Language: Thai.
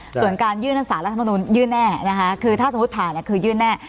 ส่วนการยื่นอันสารรัฐธรรมนุญยื่นแน่คือถ้าสมมติผ่านคือยื่นแน่